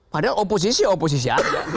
padahal oposisi oposisi ada